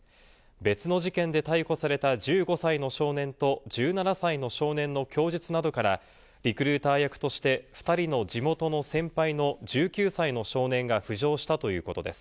別の事件で逮捕された１５歳の少年と、１７歳の少年の供述などから、リクルーター役として、２人の地元の先輩の１９歳の少年が浮上したということです。